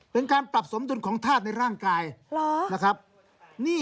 เป็นการปรับสมดุลของธาตุในร่างกายนะครับ